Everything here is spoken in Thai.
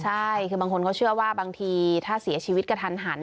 ใช่คือบางคนเขาเชื่อว่าบางทีถ้าเสียชีวิตกระทันหัน